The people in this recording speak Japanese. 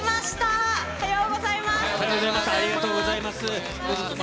おはようございます。